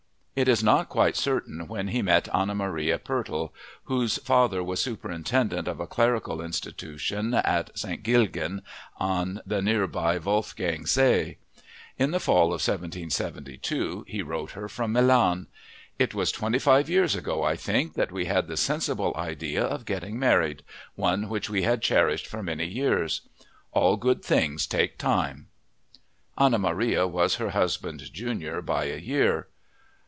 It is not quite certain exactly when he met Anna Maria Pertl, whose father was superintendent of a clerical institution at St. Gilgen on the nearby Wolfgang See. In the fall of 1772 he wrote her from Milan: "It was 25 years ago, I think, that we had the sensible idea of getting married, one which we had cherished for many years. All good things take time!" Anna Maria was her husband's junior by a year.